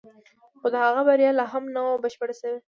خو د هغه بریا لا هم نه وه بشپړه شوې